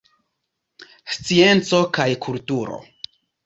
Scienco kaj kulturo.